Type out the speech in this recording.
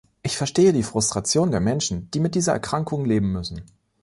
Ich verstehe die Frustration der Menschen, die mit dieser Erkrankung leben müssen.